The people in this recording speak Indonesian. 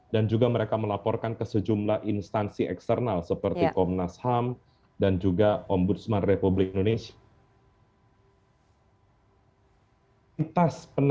dan juga mereka melaporkan ke sejumlah instansi eksternal seperti komnas ham dan juga ombudsman republik indonesia